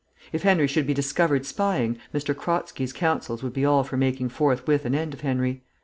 If Henry should be discovered spying, M. Kratzky's counsels would be all for making forthwith an end of Henry.